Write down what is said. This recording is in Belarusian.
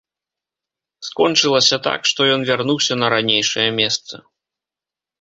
Скончылася так, што ён вярнуўся на ранейшае месца.